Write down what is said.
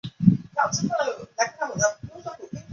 第三十六师与日军第三师团巷战。